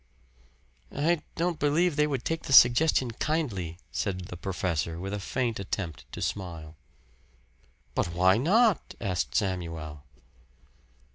"I don't believe they would take the suggestion kindly," said the professor with a faint attempt to smile. "But why not?" asked Samuel.